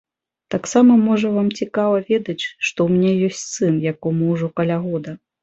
Таксама, можа, вам цікава ведаць, што ў мяне ёсць сын, яму ўжо каля года.